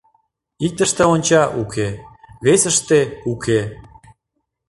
Иктыште онча — уке, весыште — уке...